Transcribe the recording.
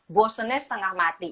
bosan nya setengah mati